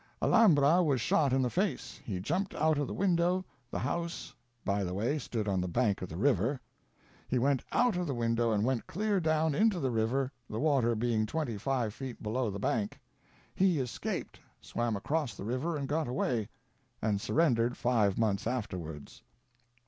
"Alambra was shot in the face. He jumped out of the window; the house, by the way, stood on the bank of the river. He went out of the window and went clear down into the river, the water being twenty five feet below the bank. He escaped, swam across the river and got away, and surrendered five months afterwards.